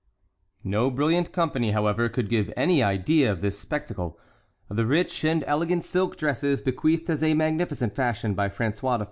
No brilliant company, however, could give any idea of this spectacle. The rich and elegant silk dresses, bequeathed as a magnificent fashion by François I.